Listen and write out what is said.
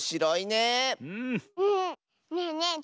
ねえねえ